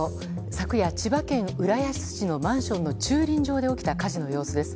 昨夜、千葉県浦安市のマンションの駐輪場で起きた火事の様子です。